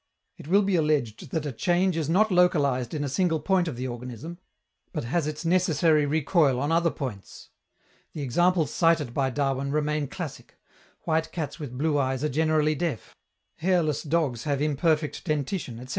It will be alleged that a change is not localized in a single point of the organism, but has its necessary recoil on other points. The examples cited by Darwin remain classic: white cats with blue eyes are generally deaf; hairless dogs have imperfect dentition, etc.